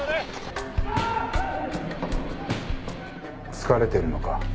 疲れてるのか？